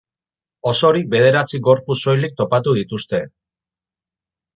Osorik bederatzi gorpu soilik topatu dituzte.